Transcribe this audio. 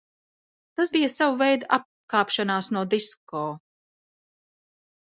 Tas bija sava veida atkāpšanās no disko.